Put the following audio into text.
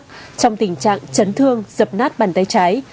trong tình trạng chấn thương dập nát bàn tay trái